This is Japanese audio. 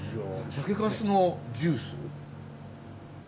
酒かすのジュース？